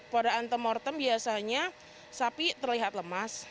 pada antemortem biasanya sapi terlihat lemas